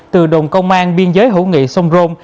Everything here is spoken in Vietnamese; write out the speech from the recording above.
từ đồn công an biên giới hữu nghị sông rôn